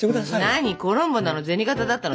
何コロンボなの銭形だったの？